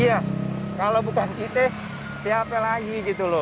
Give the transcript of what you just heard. iya kalau bukan kita siapa lagi gitu loh